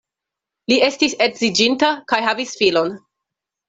Li estis edziĝinta kaj havis filon.